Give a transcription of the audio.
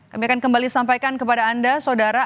kami akan kembali sampaikan kepada anda saudara